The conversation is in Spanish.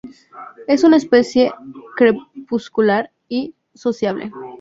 Es una especie crepuscular, y sociable.